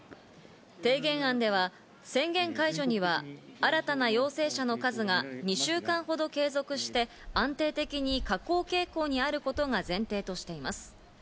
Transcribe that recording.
提言案では宣言解除には、新たな陽性者の数が２週間ほど継続して安定的に下降傾向にあることが前提としています。